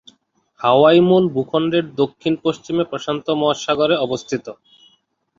হাওয়াই মূল ভূখণ্ডের দক্ষিণ-পশ্চিমে প্রশান্ত মহাসাগরে অবস্থিত।